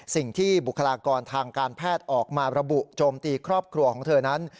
สิ่งที่บุคลากรทางการแพทย์ออกมาระบุโจมตีครอบครัวของเธอนั้น